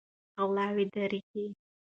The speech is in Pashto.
غلاوې ډیریږي.